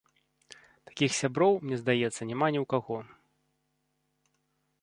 Такіх сяброў, мне здаецца, няма ні ў каго.